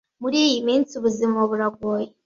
Muri iyi minsi ubuzima buragoye